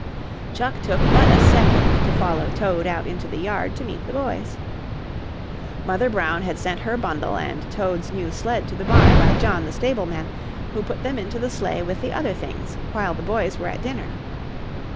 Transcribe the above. Chuck took but a second to follow Toad out into the yard to meet the boys. Mother Brown had sent her bundle and Toad's new sled to the barn by John, the stableman, who put them into the sleigh with the other things while the boys were at dinner.